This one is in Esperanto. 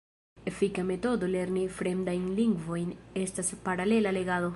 Efika metodo lerni fremdajn lingvojn estas paralela legado.